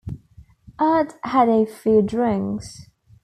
I'd had a few drinks.